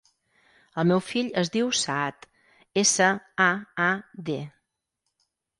El meu fill es diu Saad: essa, a, a, de.